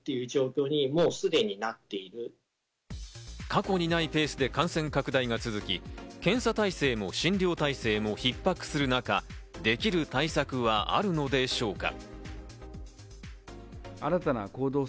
過去にないペースで感染拡大が続き、検査体制も診療体制も逼迫する中、できる対策はあるのでしょうか。